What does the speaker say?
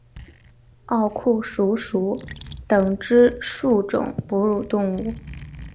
奥库鼠属等之数种哺乳动物。